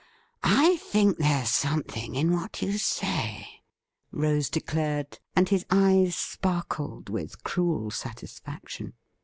I think there's something in what you say,' Rose declared, and his eyes sparkled with cruel satisfaction.